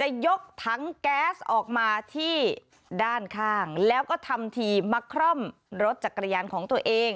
จะยกถังแก๊สออกมาที่ด้านข้างแล้วก็ทำทีมาคร่อมรถจักรยานของตัวเอง